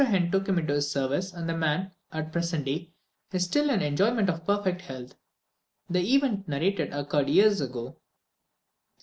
N took him into his service, and the man, at the present day, is still in the enjoyment of perfect health. The event narrated occurred years ago.